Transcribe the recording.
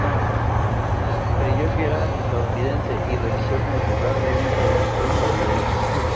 Creyó que era estadounidense y lo elogió como ejemplo de un verdadero actor estadounidense.